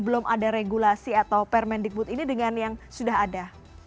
belum ada regulasi atau permendikbud ini dengan yang sudah ada